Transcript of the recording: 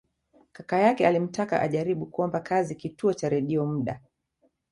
Kaka yake alimtaka ajaribu kuomba kazi Kituo cha Redio muda